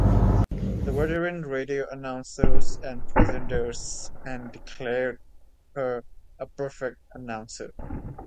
The veteran radio announcers and presenters and declared her "a perfect announcer".